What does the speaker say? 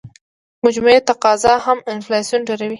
مجموعي تقاضا هم انفلاسیون ډېروي.